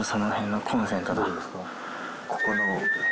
ここの。